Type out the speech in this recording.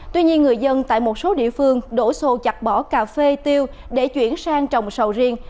tuy nhiên người dân tại một số địa phương đổ xô chặt bỏ cà phê tiêu để chuyển sang trồng sầu riêng